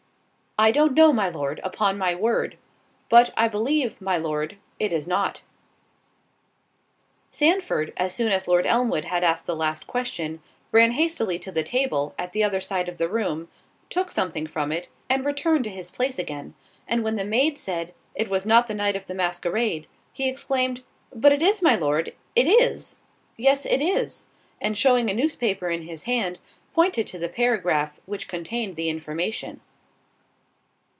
"I don't know, my Lord, upon my word; but, I believe, my Lord, it is not." Sandford, as soon as Lord Elmwood had asked the last question, ran hastily to the table, at the other side of the room, took something from it, and returned to his place again—and when the maid said, "It was not the night of the masquerade," he exclaimed, "But it is, my Lord, it is—yes, it is," and shewing a newspaper in his hand, pointed to the paragraph which contained the information.